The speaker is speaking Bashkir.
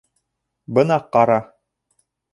Бына ҡара!